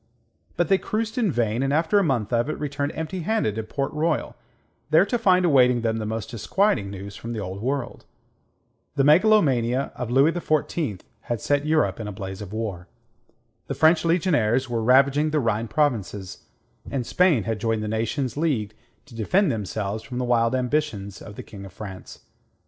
But they cruised in vain, and after a month of it, returned empty handed to Port Royal, there to find awaiting them the most disquieting news from the Old World. The megalomania of Louis XIV had set Europe in a blaze of war. The French legionaries were ravaging the Rhine provinces, and Spain had joined the nations leagued to defend themselves from the wild ambitions of the King of France.